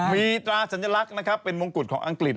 มีตราสัญลักษณ์นะครับเป็นมงกุฎของอังกฤษ